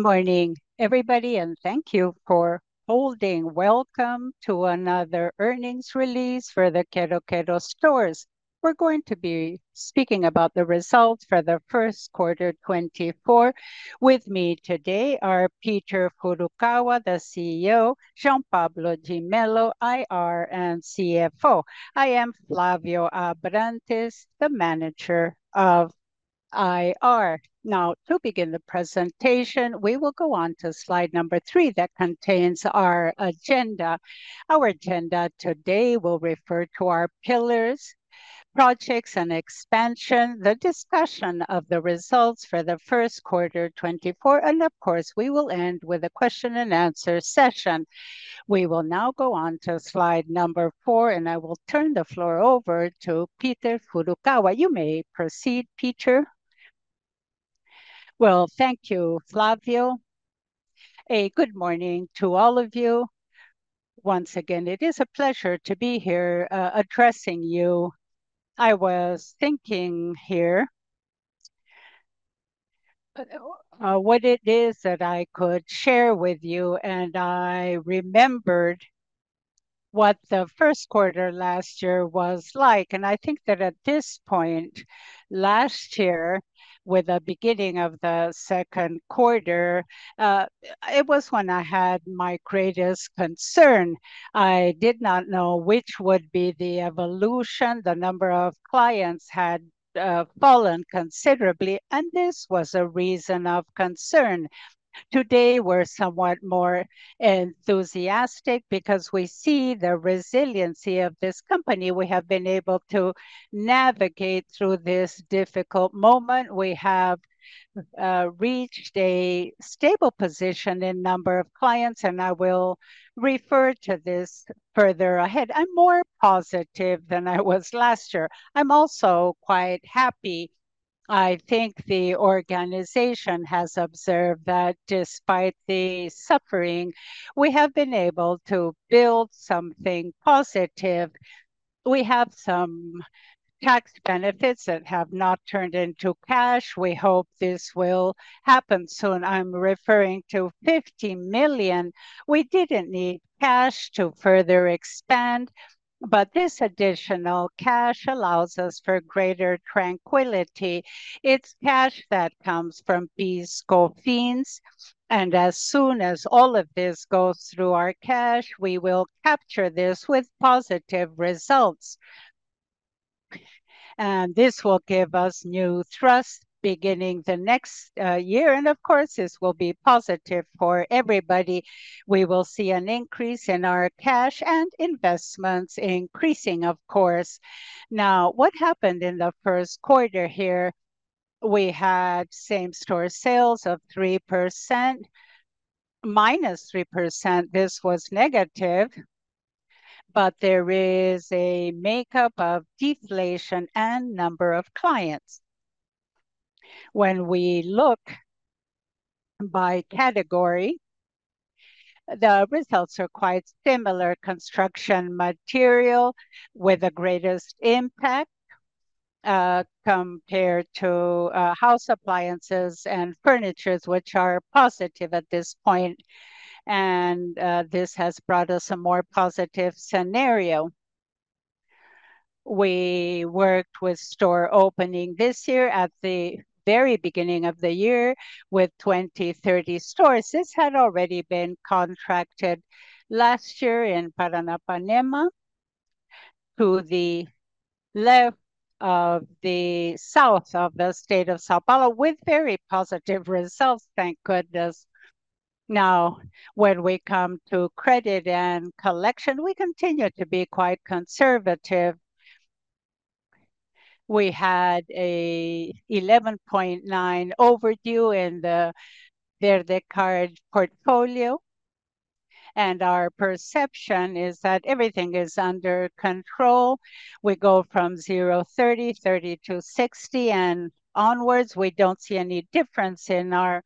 Good morning, everybody, and thank you for holding. Welcome to another earnings release for the Quero-Quero stores. We're going to be speaking about the results for the first quarter 2024. With me today are Peter Furukawa, the CEO, Jean Pablo de Mello, IR and CFO. I am Flavio Abrantes, the manager of IR. Now, to begin the presentation, we will go on to slide number three that contains our agenda. Our agenda today will refer to our pillars, projects, and expansion, the discussion of the results for the first quarter 2024, and of course, we will end with a question-and-answer session. We will now go on to slide number four, and I will turn the floor over to Peter Furukawa. You may proceed, Peter. Well, thank you, Flavio. Good morning to all of you. Once again, it is a pleasure to be here, addressing you. I was thinking here, what it is that I could share with you, and I remembered what the first quarter last year was like. I think that at this point last year, with the beginning of the second quarter, it was when I had my greatest concern. I did not know which would be the evolution. The number of clients had fallen considerably, and this was a reason of concern. Today, we're somewhat more enthusiastic because we see the resiliency of this company. We have been able to navigate through this difficult moment. We have reached a stable position in number of clients, and I will refer to this further ahead. I'm more positive than I was last year. I'm also quite happy. I think the organization has observed that despite the suffering, we have been able to build something positive. We have some tax benefits that have not turned into cash. We hope this will happen soon. I'm referring to 50 million. We didn't need cash to further expand, but this additional cash allows us for greater tranquility. It's cash that comes from PIS/COFINS, and as soon as all of this goes through our cash, we will capture this with positive results. And this will give us new thrust beginning the next year, and of course, this will be positive for everybody. We will see an increase in our cash and investments increasing, of course. Now, what happened in the first quarter here? We had same-store sales of 3%... -3%. This was negative, but there is a makeup of deflation and number of clients. When we look by category, the results are quite similar: construction materials with the greatest impact, compared to house appliances and furniture, which are positive at this point, and this has brought us a more positive scenario. We worked with store opening this year at the very beginning of the year with 20-30 stores. This had already been contracted last year in Paranapanema, to the left of the south of the state of São Paulo, with very positive results, thank goodness. Now, when we come to credit and collection, we continue to be quite conservative. We had a 11.9% overdue in the VerdeCard portfolio, and our perception is that everything is under control. We go from 0-30, 30-60, and onwards, we don't see any difference in our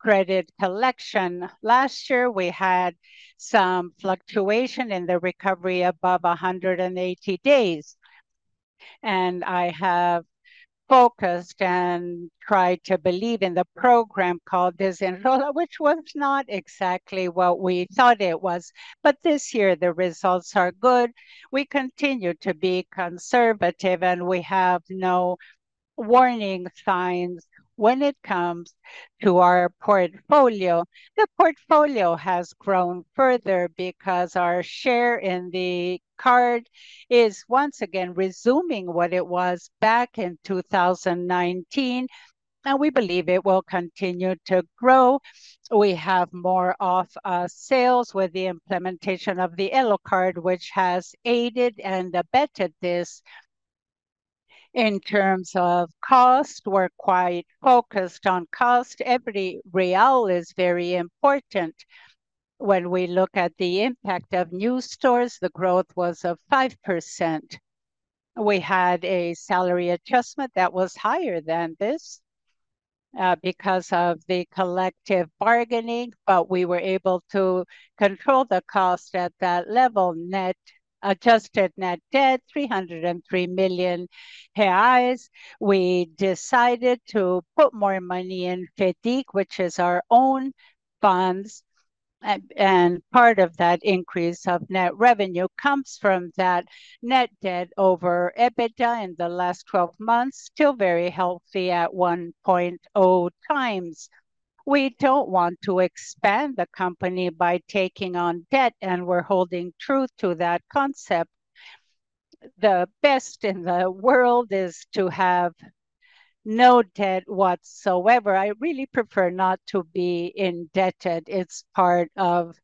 credit collection. Last year, we had some fluctuation in the recovery above 180 days, and I have focused and tried to believe in the program called Desenrola, which was not exactly what we thought it was, but this year the results are good. We continue to be conservative, and we have no warning signs when it comes to our portfolio. The portfolio has grown further because our share in the card is once again resuming what it was back in 2019, and we believe it will continue to grow. We have more off sales with the implementation of the Elo card, which has aided and abetted this. In terms of cost, we're quite focused on cost. Every Brazilian real is very important. When we look at the impact of new stores, the growth was of 5%. We had a salary adjustment that was higher than this, because of the collective bargaining, but we were able to control the cost at that level. Net, adjusted net debt, 303 million reais. We decided to put more money in FIDC, which is our own funds. And part of that increase of net revenue comes from that net debt over EBITDA in the last twelve months, still very healthy at 1.0 times. We don't want to expand the company by taking on debt, and we're holding true to that concept. The best in the world is to have no debt whatsoever. I really prefer not to be indebted. It's part of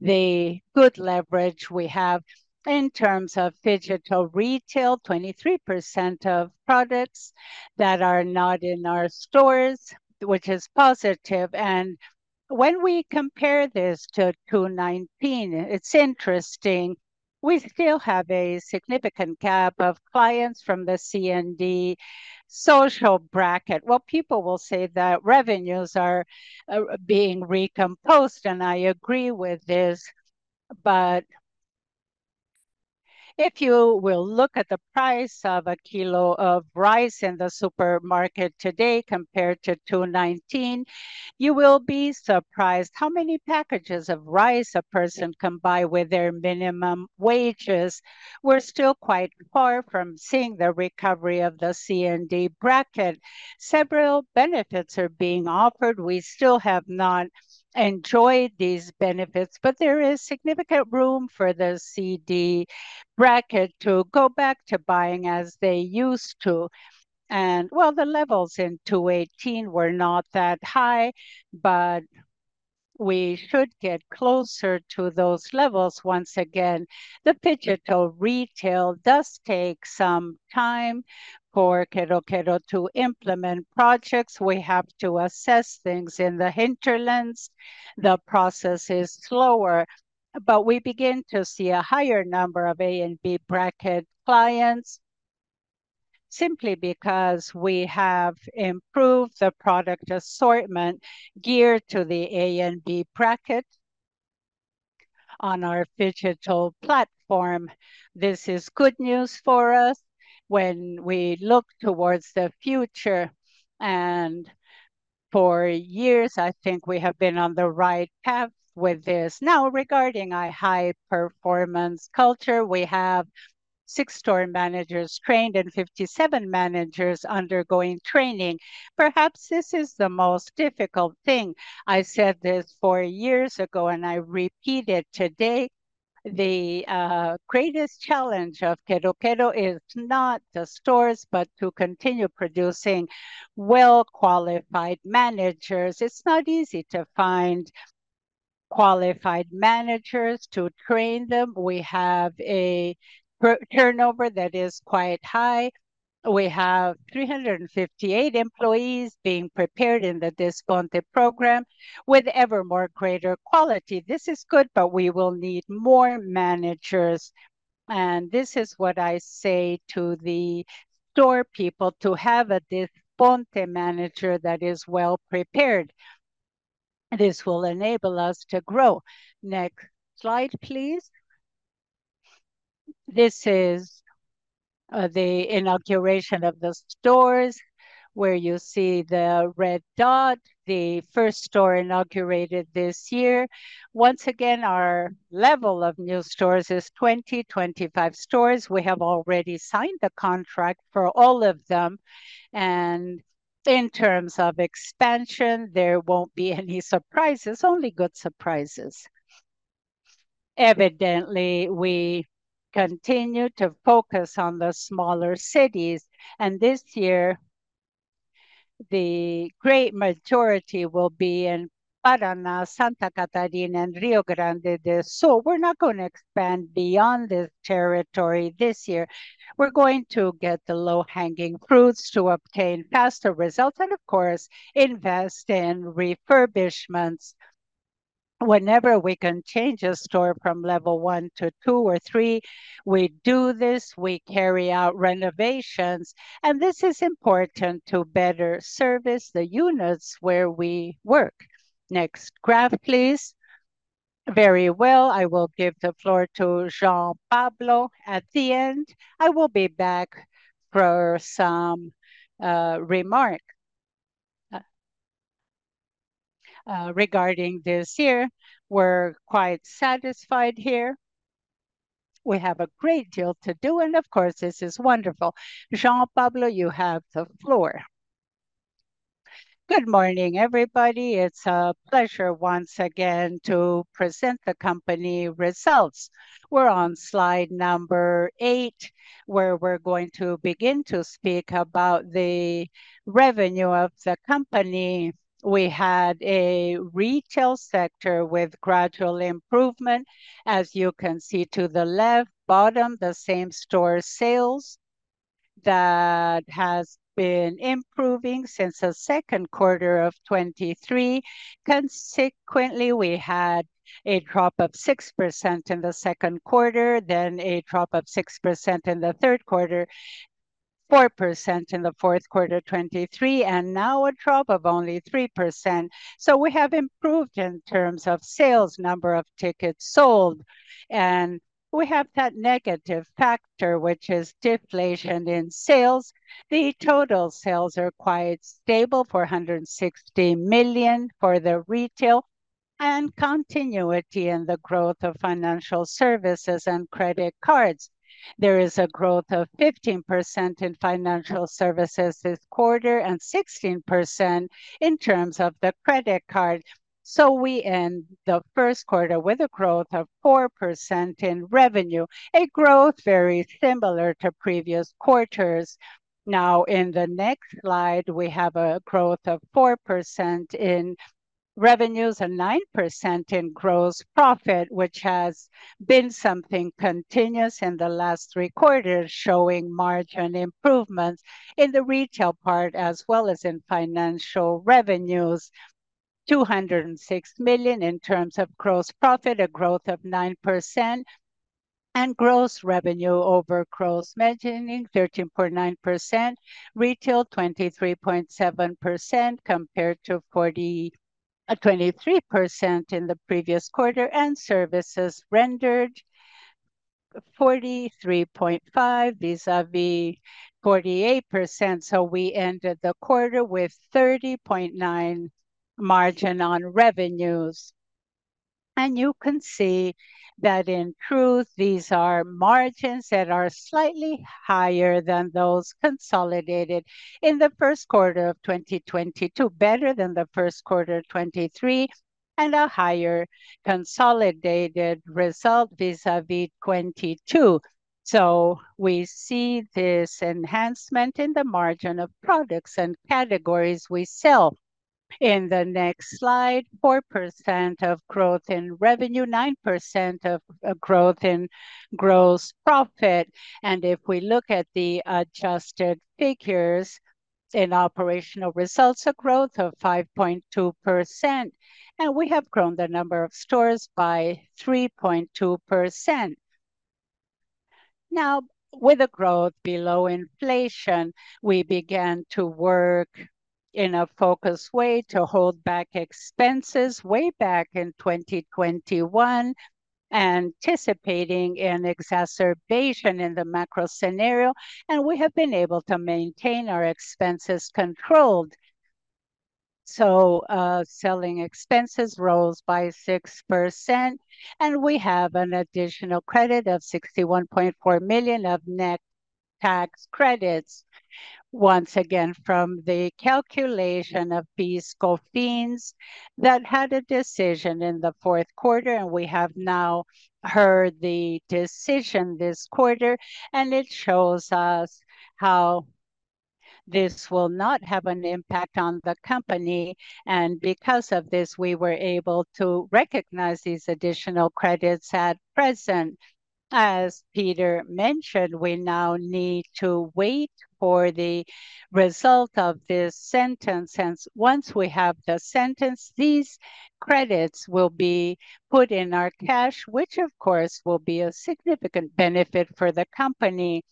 the good leverage we have in terms of phygital retail, 23% of products that are not in our stores, which is positive. When we compare this to 2019, it's interesting, we still have a significant gap of clients from the C and D social bracket. Well, people will say that revenues are being recomposed, and I agree with this, but if you will look at the price of a kilo of rice in the supermarket today compared to 2019, you will be surprised how many packages of rice a person can buy with their minimum wages. We're still quite far from seeing the recovery of the C and D bracket. Several benefits are being offered. We still have not enjoyed these benefits, but there is significant room for the C, D bracket to go back to buying as they used to. Well, the levels in 2018 were not that high, but we should get closer to those levels once again. The phygital retail does take some time for Quero-Quero to implement projects. We have to assess things in the hinterlands. The process is slower, but we begin to see a higher number of A and B bracket clients simply because we have improved the product assortment geared to the A and B bracket on our phygital platform. This is good news for us when we look towards the future, and for years, I think we have been on the right path with this. Now, regarding our high-performance culture, we have six store managers trained and 57 managers undergoing training. Perhaps this is the most difficult thing. I said this four years ago, and I repeat it today, the greatest challenge of Quero-Quero is not the stores, but to continue producing well-qualified managers. It's not easy to find qualified managers to train them. We have a turnover that is quite high. We have 358 employees being prepared in the Desponte program with ever more greater quality. This is good, but we will need more managers, and this is what I say to the store people, to have a Desponte manager that is well prepared. This will enable us to grow. Next slide, please. This is the inauguration of the stores, where you see the red dot, the first store inaugurated this year. Once again, our level of new stores is 20-25 stores. We have already signed the contract for all of them, and in terms of expansion, there won't be any surprises, only good surprises. Evidently, we continue to focus on the smaller cities, and this year, the great majority will be in Paraná, Santa Catarina, and Rio Grande do Sul. We're not going to expand beyond this territory this year. We're going to get the low-hanging fruits to obtain faster results and, of course, invest in refurbishments. Whenever we can change a store from level one to two or three, we do this, we carry out renovations, and this is important to better service the units where we work. Next graph, please. Very well. I will give the floor to Jean Pablo at the end. I will be back for some remark. Regarding this year, we're quite satisfied here. We have a great deal to do, and of course, this is wonderful. Jean Pablo, you have the floor. Good morning, everybody. It's a pleasure once again to present the company results. We're on slide number eight, where we're going to begin to speak about the revenue of the company. We had a retail sector with gradual improvement. As you can see to the left bottom, the same-store sales, that has been improving since the second quarter of 2023. Consequently, we had a drop of 6% in the second quarter, then a drop of 6% in the third quarter, 4% in the fourth quarter, 2023, and now a drop of only 3%. So we have improved in terms of sales, number of tickets sold, and we have that negative factor, which is deflation in sales. The total sales are quite stable, 460 million for the retail.... and continuity in the growth of financial services and credit cards. There is a growth of 15% in financial services this quarter, and 16% in terms of the credit card. So we end the first quarter with a growth of 4% in revenue, a growth very similar to previous quarters. Now, in the next slide, we have a growth of 4% in revenues and 9% in gross profit, which has been something continuous in the last three quarters, showing margin improvements in the retail part as well as in financial revenues. 206 million in terms of gross profit, a growth of 9%, and gross revenue over gross margin, 13.9%. Retail, 23.7% compared to 23% in the previous quarter, and services rendered, 43.5, vis-à-vis 48%. So we ended the quarter with 30.9 margin on revenues. And you can see that, in truth, these are margins that are slightly higher than those consolidated in the first quarter of 2022, better than the first quarter of 2023, and a higher consolidated result vis-à-vis 2022. So we see this enhancement in the margin of products and categories we sell. In the next slide, 4% of growth in revenue, 9% of growth in gross profit. And if we look at the adjusted figures in operational results, a growth of 5.2%, and we have grown the number of stores by 3.2%. Now, with a growth below inflation, we began to work in a focused way to hold back expenses way back in 2021, anticipating an exacerbation in the macro scenario, and we have been able to maintain our expenses controlled. So, selling expenses rose by 6%, and we have an additional credit of 61.4 million of net tax credits, once again, from the calculation of PIS/COFINS that had a decision in the fourth quarter, and we have now heard the decision this quarter, and it shows us how this will not have an impact on the company. Because of this, we were able to recognize these additional credits at present. As Peter mentioned, we now need to wait for the result of this sentence, and once we have the sentence, these credits will be put in our cash, which of course, will be a significant benefit for the company.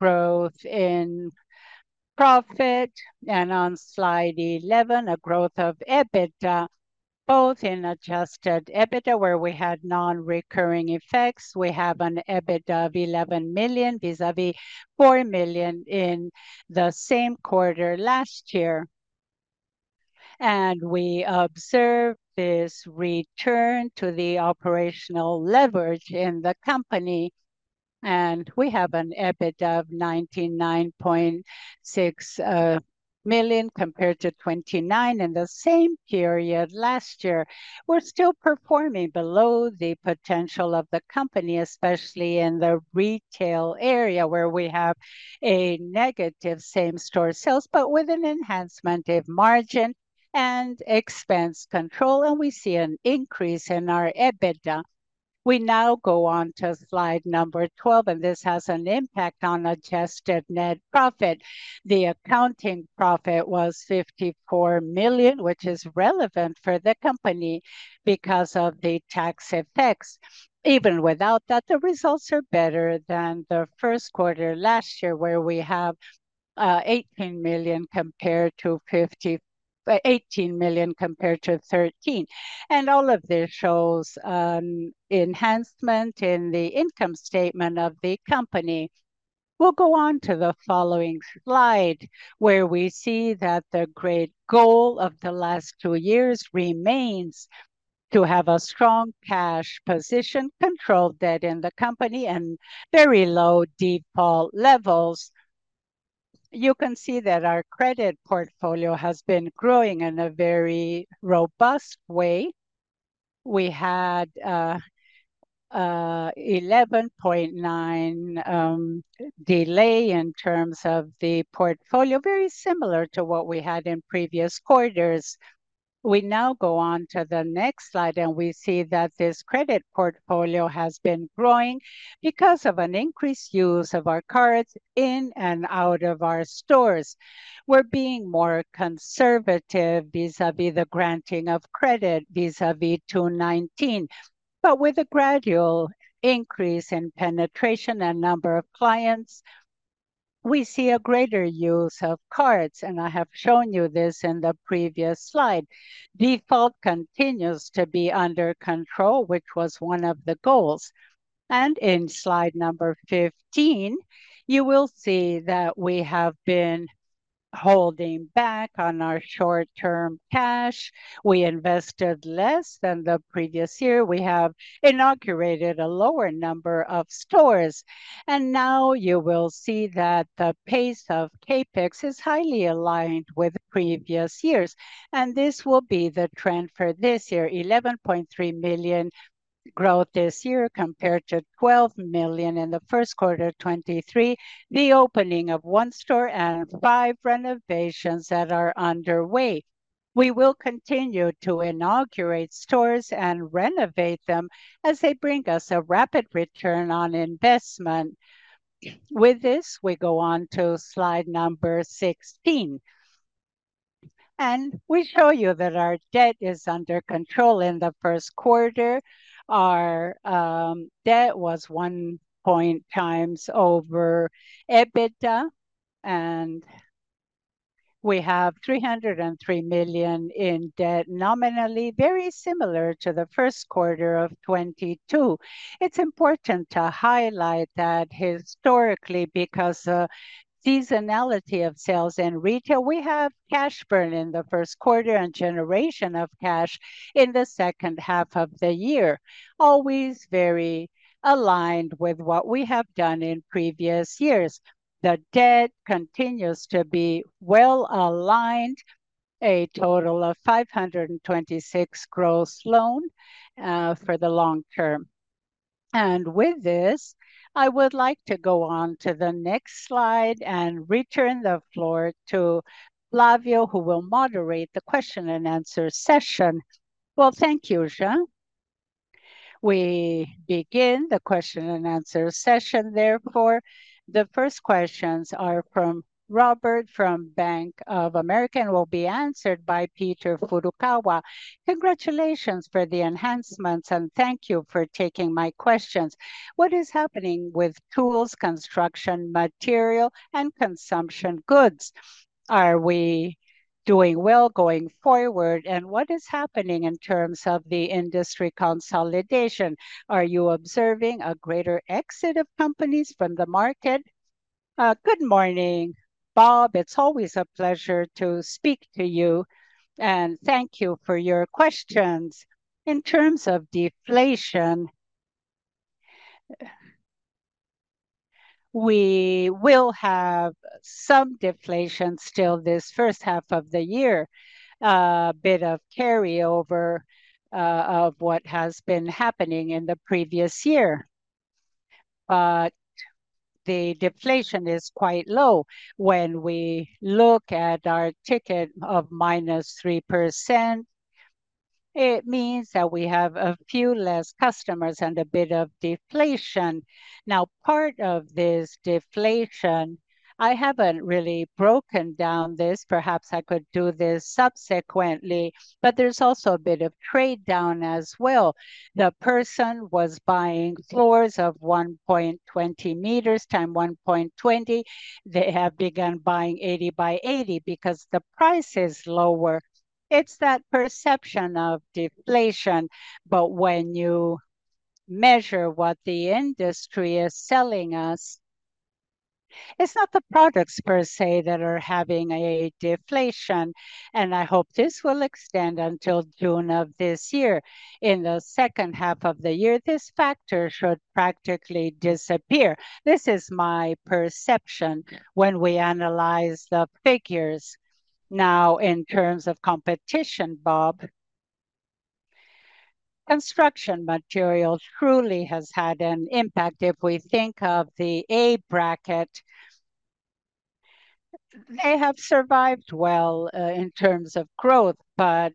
Growth in profit, and on slide 11, a growth of EBITDA, both in adjusted EBITDA, where we had non-recurring effects. We have an EBITDA of 11 million, vis-à-vis 4 million in the same quarter last year. And we observe this return to the operational leverage in the company, and we have an EBITDA of 99.6 million, compared to 29 million in the same period last year. We're still performing below the potential of the company, especially in the retail area, where we have a negative same-store sales, but with an enhancement of margin and expense control, and we see an increase in our EBITDA. We now go on to slide number 12, and this has an impact on adjusted net profit. The accounting profit was 54 million, which is relevant for the company because of the tax effects. Even without that, the results are better than the first quarter last year, where we have 18 million compared to 13 million. All of this shows enhancement in the income statement of the company. We'll go on to the following slide, where we see that the great goal of the last two years remains to have a strong cash position, controlled debt in the company, and very low default levels. You can see that our credit portfolio has been growing in a very robust way. We had 11.9 delay in terms of the portfolio, very similar to what we had in previous quarters. We now go on to the next slide, and we see that this credit portfolio has been growing because of an increased use of our cards in and out of our stores. We're being more conservative, vis-à-vis the granting of credit, vis-à-vis 2019. But with a gradual increase in penetration and number of clients, we see a greater use of cards, and I have shown you this in the previous slide. Default continues to be under control, which was one of the goals, and in slide number 15, you will see that we have been holding back on our short-term cash. We invested less than the previous year. We have inaugurated a lower number of stores, and now you will see that the pace of CapEx is highly aligned with previous years, and this will be the trend for this year. 11.3 million growth this year, compared to 12 million in the first quarter of 2023. The opening of one store and five renovations that are underway. We will continue to inaugurate stores and renovate them, as they bring us a rapid return on investment. With this, we go on to slide number 16. We show you that our debt is under control. In the first quarter, our debt was 1.0 times over EBITDA, and we have 303 million in debt, nominally very similar to the first quarter of 2022. It's important to highlight that historically, because the seasonality of sales in retail, we have cash burn in the first quarter and generation of cash in the second half of the year, always very aligned with what we have done in previous years. The debt continues to be well aligned, a total of 526 million gross loan for the long term. With this, I would like to go on to the next slide and return the floor to Flavio, who will moderate the question and answer session. Well, thank you, Jean. We begin the question and answer session, therefore. The first questions are from Robert, from Bank of America, and will be answered by Peter Furukawa. Congratulations for the enhancements, and thank you for taking my questions. What is happening with tools, construction material, and consumption goods? Are we doing well going forward, and what is happening in terms of the industry consolidation? Are you observing a greater exit of companies from the market? Good morning, Rob. It's always a pleasure to speak to you, and thank you for your questions. In terms of deflation, we will have some deflation still this first half of the year, a bit of carryover of what has been happening in the previous year. But the deflation is quite low. When we look at our ticket of -3%, it means that we have a few less customers and a bit of deflation. Now, part of this deflation, I haven't really broken down this. Perhaps I could do this subsequently, but there's also a bit of trade down as well. The person was buying floors of 1.20 meters x 1.20. They have begun buying 80 by 80, because the price is lower. It's that perception of deflation, but when you measure what the industry is selling us, it's not the products per se that are having a deflation, and I hope this will extend until June of this year. In the second half of the year, this factor should practically disappear. This is my perception when we analyze the figures. Now, in terms of competition, Rob, construction material truly has had an impact. If we think of the A bracket, they have survived well in terms of growth, but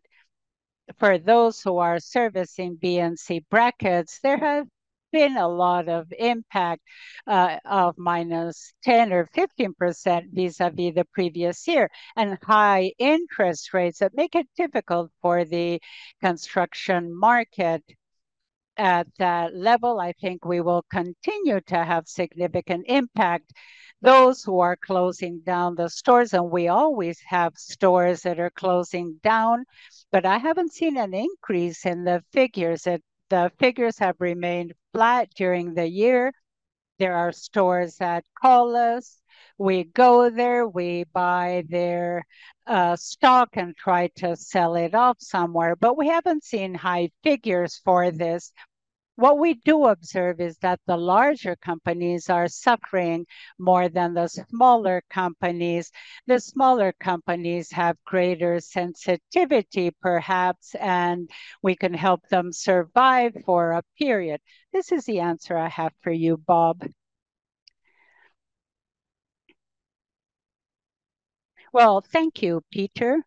for those who are servicing B and C brackets, there have been a lot of impact of -10% or -15% vis-à-vis the previous year, and high interest rates that make it difficult for the construction market. At that level, I think we will continue to have significant impact. Those who are closing down the stores, and we always have stores that are closing down, but I haven't seen an increase in the figures, and the figures have remained flat during the year. There are stores that call us. We go there, we buy their stock and try to sell it off somewhere, but we haven't seen high figures for this. What we do observe is that the larger companies are suffering more than the smaller companies. The smaller companies have greater sensitivity, perhaps, and we can help them survive for a period. This is the answer I have for you, Rob. Well, thank you, Peter.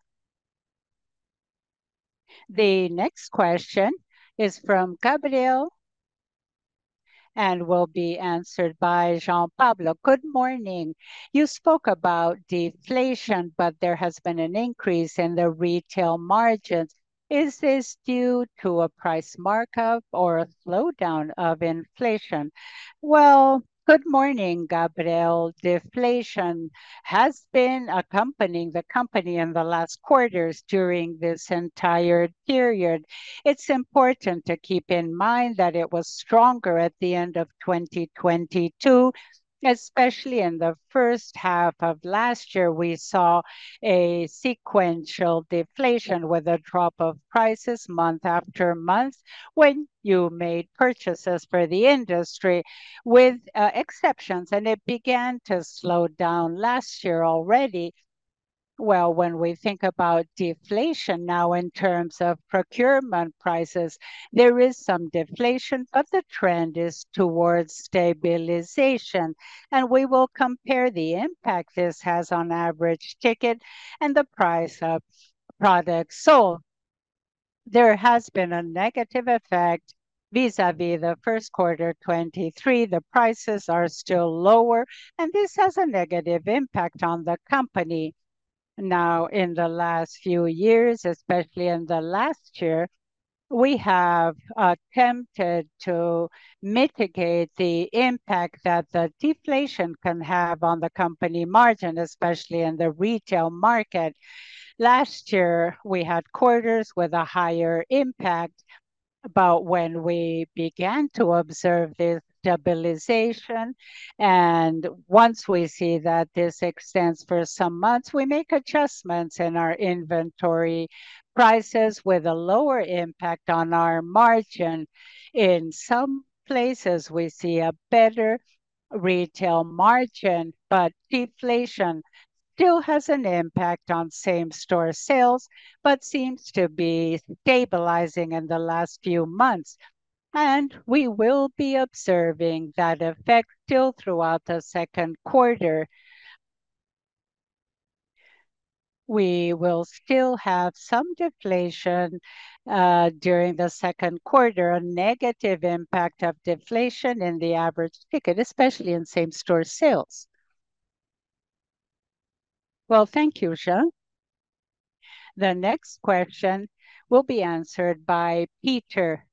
The next question is from Gabriel, and will be answered by Jean Pablo. Good morning. You spoke about deflation, but there has been an increase in the retail margins. Is this due to a price markup or a slowdown of inflation? Well, good morning, Gabriel. Deflation has been accompanying the company in the last quarters during this entire period. It's important to keep in mind that it was stronger at the end of 2022. Especially in the first half of last year, we saw a sequential deflation with a drop of prices month after month when you made purchases for the industry, with exceptions, and it began to slow down last year already. Well, when we think about deflation now in terms of procurement prices, there is some deflation, but the trend is towards stabilization, and we will compare the impact this has on average ticket and the price of products. So there has been a negative effect vis-à-vis the first quarter 2023. The prices are still lower, and this has a negative impact on the company. Now, in the last few years, especially in the last year, we have attempted to mitigate the impact that the deflation can have on the company margin, especially in the retail market. Last year, we had quarters with a higher impact, but when we began to observe the stabilization, and once we see that this extends for some months, we make adjustments in our inventory prices with a lower impact on our margin. In some places, we see a better retail margin, but deflation still has an impact on same-store sales, but seems to be stabilizing in the last few months, and we will be observing that effect still throughout the second quarter. We will still have some deflation during the second quarter, a negative impact of deflation in the average ticket, especially in same-store sales. Well, thank you, Jean. The next question will be answered by Peter,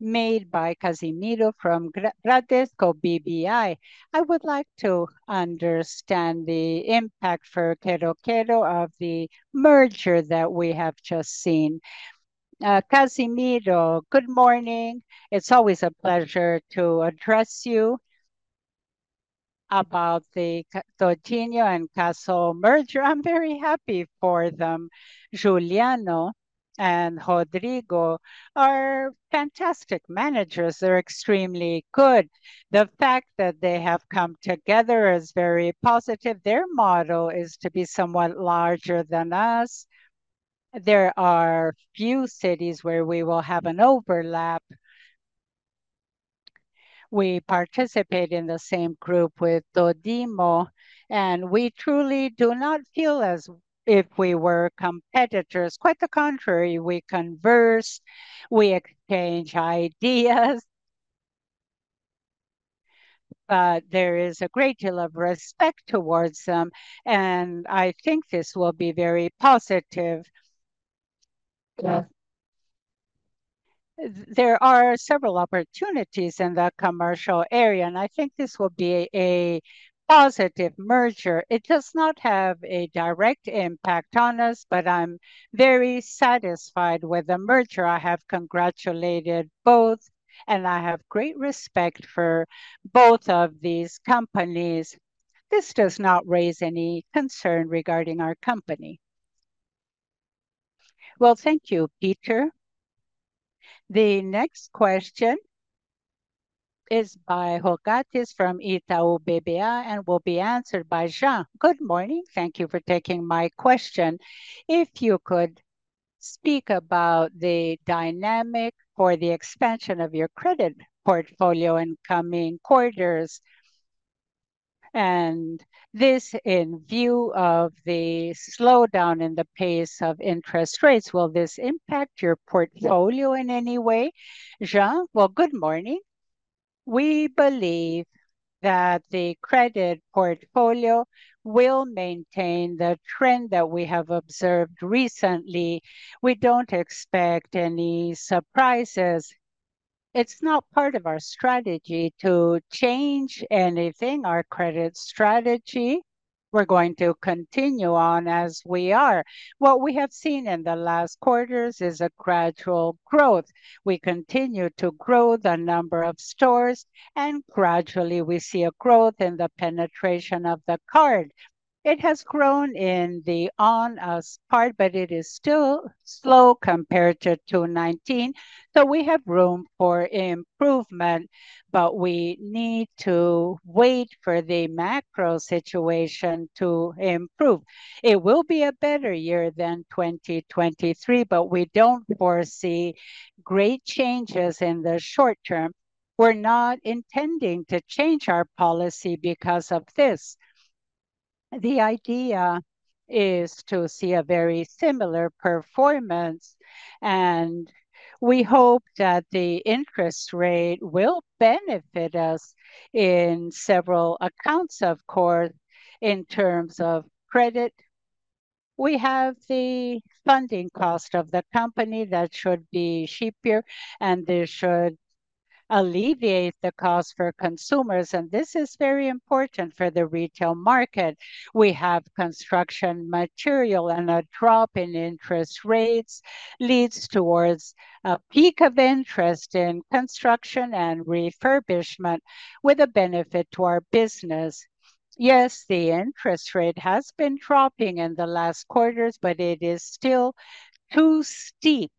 made by Cassimiro from Bradesco BBI. I would like to understand the impact for Quero-Quero of the merger that we have just seen. Cassimiro, good morning. It's always a pleasure to address you. About the Todimo and Cassol merger, I'm very happy for them. Juliano and Rodrigo are fantastic managers. They're extremely good. The fact that they have come together is very positive. Their motto is to be somewhat larger than us. There are few cities where we will have an overlap. We participate in the same group with Todimo, and we truly do not feel as if we were competitors. Quite the contrary, we converse, we exchange ideas, but there is a great deal of respect towards them, and I think this will be very positive. There are several opportunities in the commercial area, and I think this will be a positive merger. It does not have a direct impact on us, but I'm very satisfied with the merger. I have congratulated both, and I have great respect for both of these companies. This does not raise any concern regarding our company. Well, thank you, Peter. The next question is by Rogatis from Itaú BBA and will be answered by Jean. Good morning. Thank you for taking my question. If you could speak about the dynamic or the expansion of your credit portfolio in coming quarters, and this in view of the slowdown in the pace of interest rates, will this impact your portfolio in any way, Jean? Well, good morning. We believe that the credit portfolio will maintain the trend that we have observed recently. We don't expect any surprises. It's not part of our strategy to change anything, our credit strategy. We're going to continue on as we are. What we have seen in the last quarters is a gradual growth. We continue to grow the number of stores, and gradually we see a growth in the penetration of the card. It has grown in the on us part, but it is still slow compared to 2019, so we have room for improvement, but we need to wait for the macro situation to improve. It will be a better year than 2023, but we don't foresee great changes in the short term. We're not intending to change our policy because of this. The idea is to see a very similar performance, and we hope that the interest rate will benefit us in several accounts, of course, in terms of credit. We have the funding cost of the company that should be cheaper, and this should alleviate the cost for consumers, and this is very important for the retail market. We have construction material, and a drop in interest rates leads towards a peak of interest in construction and refurbishment, with a benefit to our business. Yes, the interest rate has been dropping in the last quarters, but it is still too steep.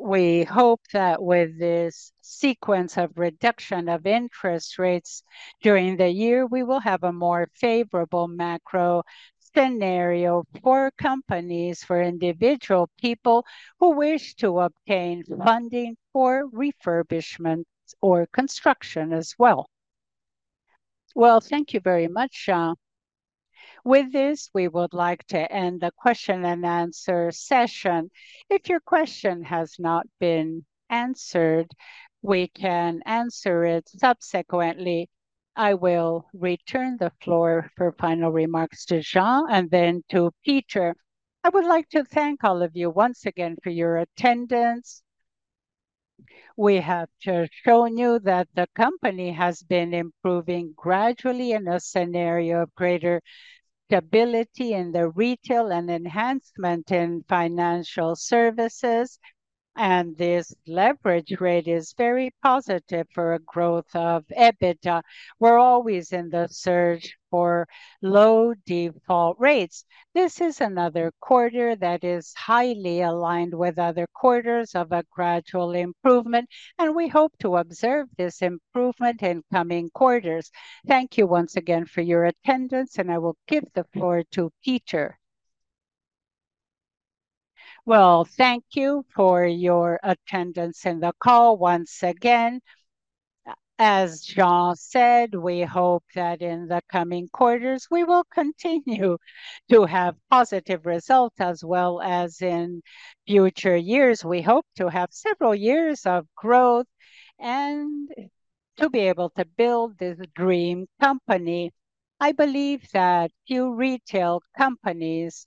We hope that with this sequence of reduction of interest rates during the year, we will have a more favorable macro scenario for companies, for individual people who wish to obtain funding for refurbishment or construction as well. Well, thank you very much, Jean. With this, we would like to end the question and answer session. If your question has not been answered, we can answer it subsequently. I will return the floor for final remarks to Jean and then to Peter. I would like to thank all of you once again for your attendance. We have shown you that the company has been improving gradually in a scenario of greater stability in the retail and enhancement in financial services, and this leverage rate is very positive for a growth of EBITDA. We're always in the search for low default rates. This is another quarter that is highly aligned with other quarters of a gradual improvement, and we hope to observe this improvement in coming quarters. Thank you once again for your attendance, and I will give the floor to Peter. Well, thank you for your attendance in the call once again. As Jean said, we hope that in the coming quarters, we will continue to have positive results as well as in future years. We hope to have several years of growth and to be able to build this dream company. I believe that few retail companies.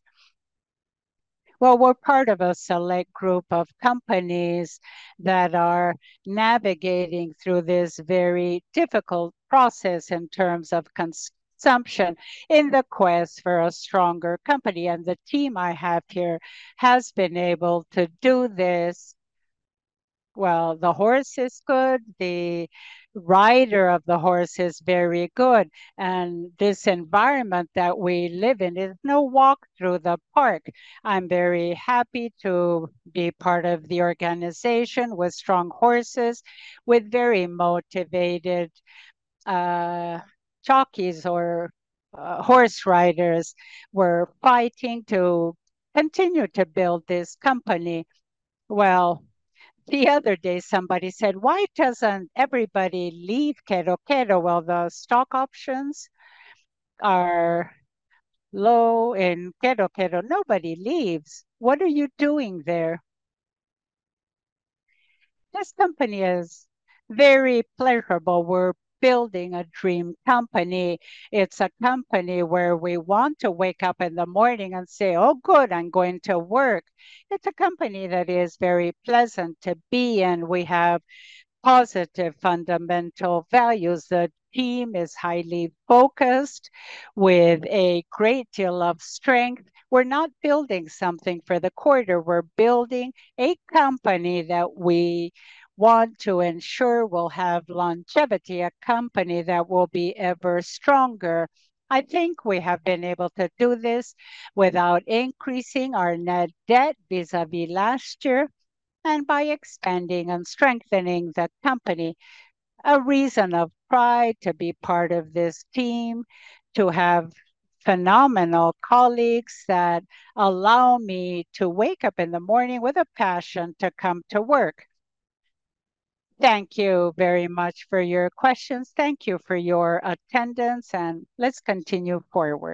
Well, we're part of a select group of companies that are navigating through this very difficult process in terms of consumption in the quest for a stronger company, and the team I have here has been able to do this. Well, the horse is good, the rider of the horse is very good, and this environment that we live in is no walk through the park. I'm very happy to be part of the organization with strong horses, with very motivated, jockeys or, horse riders. We're fighting to continue to build this company. Well, the other day somebody said: "Why doesn't everybody leave Quero-Quero? Well, the stock options are low in Quero-Quero. Nobody leaves. What are you doing there?" This company is very pleasurable. We're building a dream company. It's a company where we want to wake up in the morning and say, "Oh, good, I'm going to work." It's a company that is very pleasant to be in. We have positive fundamental values. The team is highly focused, with a great deal of strength. We're not building something for the quarter, we're building a company that we want to ensure will have longevity, a company that will be ever stronger. I think we have been able to do this without increasing our net debt vis-à-vis last year, and by expanding and strengthening the company. A reason of pride to be part of this team, to have phenomenal colleagues that allow me to wake up in the morning with a passion to come to work. Thank you very much for your questions. Thank you for your attendance, and let's continue forward.